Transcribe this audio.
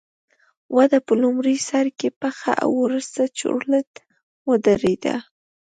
وده په لومړي سر کې پڅه او وروسته چورلټ ودرېده